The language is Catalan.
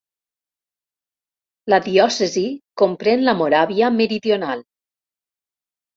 La diòcesi comprèn la Moràvia Meridional.